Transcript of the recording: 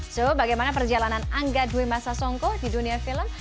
so bagaimana perjalanan angga dwi masa songko di dunia film